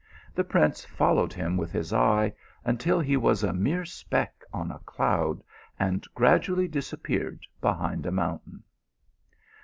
The prince followed him with his eye until he was a mere speck on a cloud, and gradually disappeared behind a mountain.